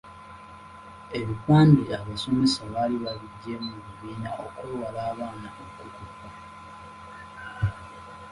Ebipande abasomesa baali baabigyamu mu bibiina okwewala abaana okukoppa.